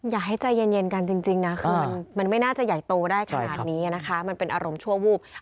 อย่าให้ใจเย็นกันจริงนะคือมันไม่น่าจะใหญ่โตได้ขนาดนี้นะคะมันเป็นอารมณ์ชั่ววูบ